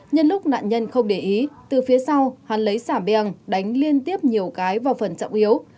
nhân lúc nạn nhân không để ý từ phía sau hắn lấy sả beng đánh liên tiếp nhiều cái vào phần trọng yếu